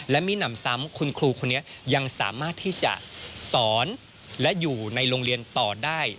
และมีหนำซ้ำคุณครูคนนี้ยังสามารถที่จะสอนและอยู่ในโรงเรียนต่อได้